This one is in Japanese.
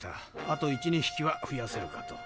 あと１２匹は増やせるかと。